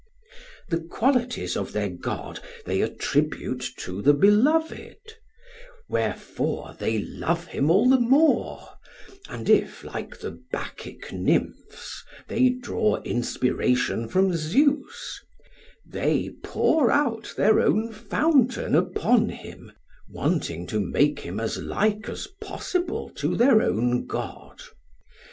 The qualities of their god they attribute to the beloved, wherefore they love him all the more, and if, like the Bacchic Nymphs, they draw inspiration from Zeus, they pour out their own fountain upon him, wanting to make him as like as possible to their own god.